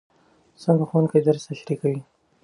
څنګه ښوونکی درس تشریح کوي؟